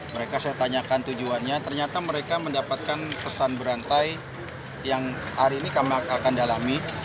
mereka saya tanyakan tujuannya ternyata mereka mendapatkan pesan berantai yang hari ini kami akan dalami